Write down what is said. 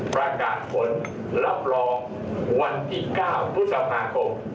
ประกาศผลรับรองวันที่๙พฤษภาคม